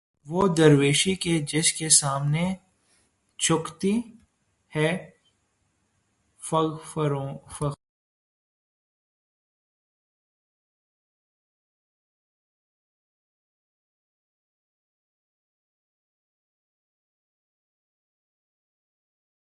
وہ درویشی کہ جس کے سامنے جھکتی ہے فغفوری